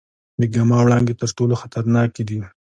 د ګاما وړانګې تر ټولو خطرناکې دي.